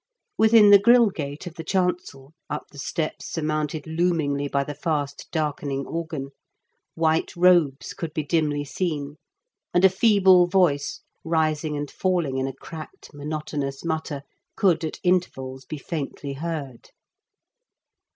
Within the grill gate of the chancel, up the steps sur mounted loomingly by the fast darkening organ, white robes could be dimly seen, and a feeble voice, rising and falling in a cracked monotonous mutter, could at intervals be faintly heaxd.